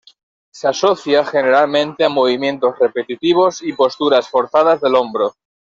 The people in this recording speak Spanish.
Se asocia generalmente a movimientos repetitivos y posturas forzadas del hombro.